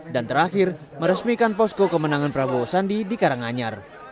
dan terakhir meresmikan posko kemenangan prabowo sandi di karanganyar